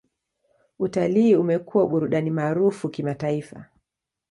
Utalii umekuwa burudani maarufu kimataifa.